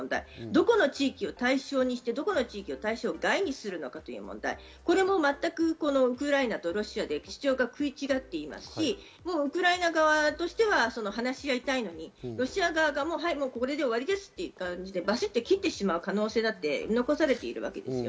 どこの地域を対象にして、どこを対象外にするのかという問題も全くウクライナとロシアで主張が食い違っていますし、ウクライナ側としては話し合いたいのにロシア側が、これで終わりですという感じでバシっと切ってしまう可能性も残されています。